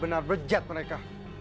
benar benar rejat mereka